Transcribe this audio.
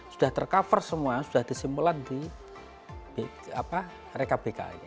sudah tercover semua sudah disimpulan di reka bk